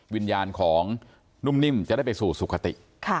วิญญาณของนุ่มนิ่มจะได้ไปสู่สุขติ